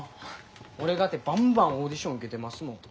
俺かてばんばんオーディション受けてますもん。